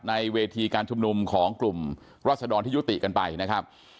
ในเวทีการชุมนุมของกลุ่มรัศดรที่ยุติกันไปนะครับ